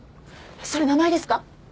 それ名前ですか？